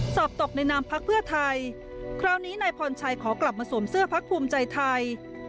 สอบตกในนามพักเพื่อไทยคราวนี้นายพรชัยขอกลับมาสวมเสื้อพักภูมิใจไทย